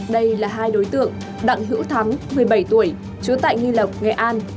đây là hai đối tượng đặng hữu thắng một mươi bảy tuổi trú tại nghi lộc nghệ an